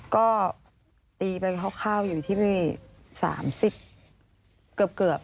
ก็ตีไปคร่าวอยู่ที่นี่๓๐เกือบ